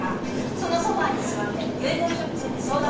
そのソファに座って遺言書について相談してました。